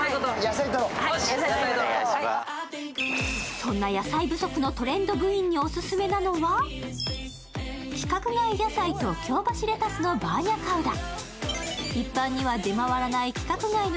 そんな野菜不足のトレンド部員にオススメなのは規格外野菜と京橋レタスのバーニャカウダー。